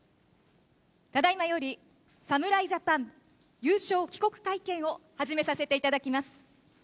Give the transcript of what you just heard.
ただいまより、侍ジャパン優勝帰国会見を始めさせていただきます。